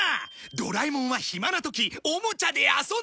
ドラえもんは暇な時おもちゃで遊んでる！